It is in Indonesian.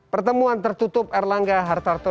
pertemuan tertutup erlangga hartarto